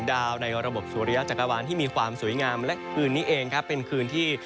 ดาวในระบบสุริยจักรวาลที่มีความสวยงามและคืนนี้เองครับเป็นคืนที่